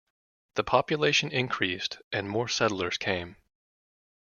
The population increased and more settlers came.